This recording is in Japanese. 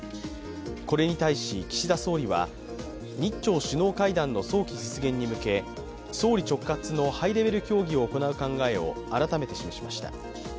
これに対し岸田総理は日朝首脳会談の早期実現に向け、総理直轄のハイレベル協議を行う考えを改めて示しました。